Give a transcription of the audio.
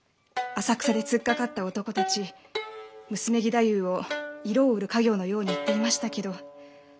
浅草で突っかかった男たち娘義太夫を色を売る稼業のように言っていましたけど。